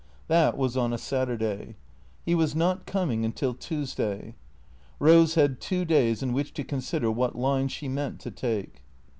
That was on a Saturday. He was not coming nntil Tuesday. Eose had two davs in which to consider what line she meant to take.